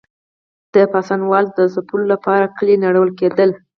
د پاڅونوالو د ځپلو لپاره کلي نړول کېدل.